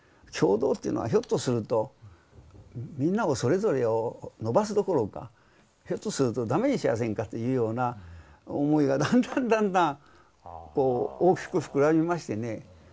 共同っていうのはひょっとするとみんなをそれぞれを伸ばすどころかひょっとするとダメにしやせんかというような思いがだんだんだんだん大きく膨らみましてね